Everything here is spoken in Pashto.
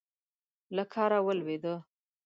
له کاره ولوېده.